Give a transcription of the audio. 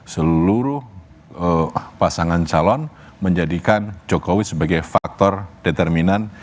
seluruh pasangan calon menjadikan jokowi sebagai faktor determinan